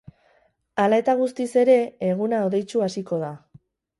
Hala eta guztiz ere, eguna hodeitsu hasiko da.